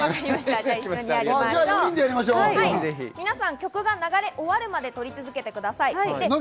皆さん、曲が流れ終わるまで、取り続けてください。